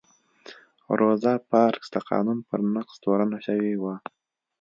روزا پارکس د قانون پر نقض تورنه شوې وه.